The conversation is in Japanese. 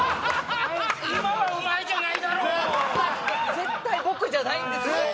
絶対僕じゃないんですよ。